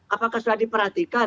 apakah sudah diperhatikan